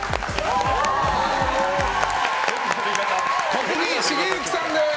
戸次重幸さんです！